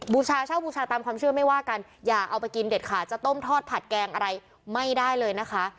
เช่าบูชาตามความเชื่อไม่ว่ากันอย่าเอาไปกินเด็ดขาดจะต้มทอดผัดแกงอะไรไม่ได้เลยนะคะ